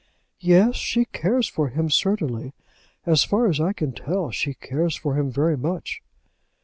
"Yes, she cares for him, certainly. As far as I can tell, she cares for him very much."